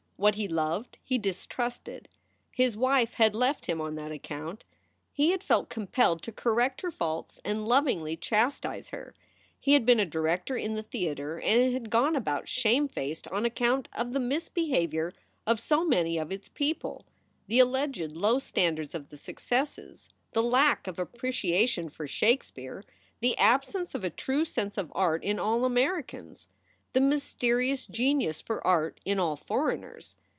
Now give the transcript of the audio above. What he loved he distrusted. His wife had left him on that account. He had felt compelled to correct her faults and lovingly chastise her. He had been a director in the theater and had gone about shamefaced on account of the misbehavior of so many of its people, the alleged low standards of the successes, the lack of appreciation for Shakespeare, the absence of a true sense of art in all Americans, the mysterious genius for art in all foreigners.